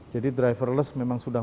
jadi driverless memang sudah